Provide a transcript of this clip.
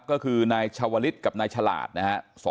ก็คือนายชาวลิศกับนายฉลาดนะฮะ